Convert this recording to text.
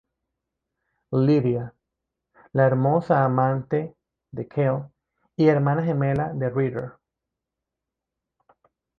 Lydia: La hermosa amante de Kale y hermana gemela de Ritter.